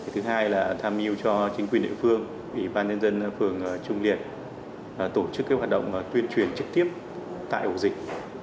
thứ hai là tham mưu cho chính quyền địa phương ủy ban nhân dân phường trung liệt tổ chức hoạt động tuyên truyền trực tiếp tại ổ dịch